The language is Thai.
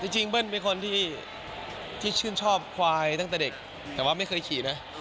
จริงเบิ้ลเป็นคนที่ชื่นชอบควายตั้งแต่เด็กแต่ว่าไม่เคยขี่นะ